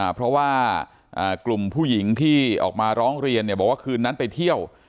เพราะว่ากลุ่มผู้หญิงที่ออกมาร้องเรียนบอกว่าคืนนั้นไปเที่ยว